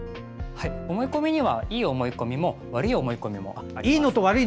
思い込みにはいい思い込みも悪い思い込みもあります。